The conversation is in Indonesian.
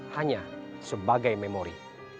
hanya sebagai memori